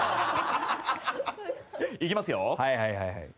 いきますよ！